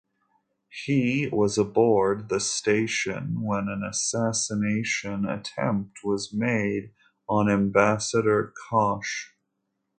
He was aboard the station when an assassination attempt was made on Ambassador Kosh.